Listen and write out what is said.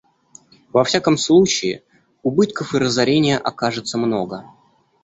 Во всяком случае, убытков и разорения окажется много.